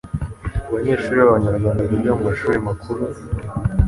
banyeshuri b abanyarwanda biga mu mashuri makuru